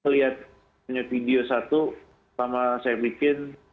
saya lihat video satu pertama saya bikin